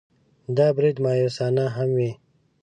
دا برید مأیوسانه هم وي.